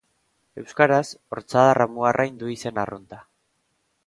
Euskaraz, ortzadar-amuarrain du izen arrunta.